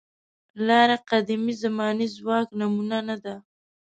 لاره قدیمې زمانې ژواک نمونه نه ده.